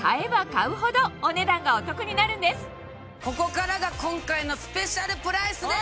ここからが今回のスペシャルプライスです！